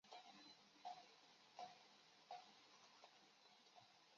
澳大利亚采用的是强制投票的方式。